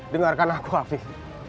dengarkan aku afif